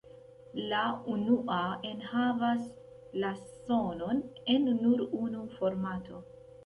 La unua enhavas la sonon en nur unu formato.